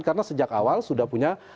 karena sejak awal sudah punya